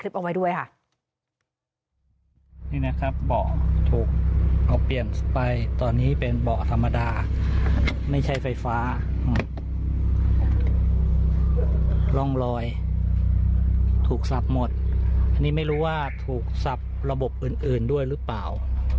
ร่องรอยถูกสับหมดนี่ไม่รู้ว่าถูกสับระบบอื่นด้วยหรือเปล่า